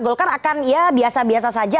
golkar akan ya biasa biasa saja